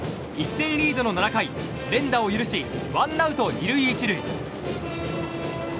１点リードの７回、連打を許しワンアウト２塁１塁。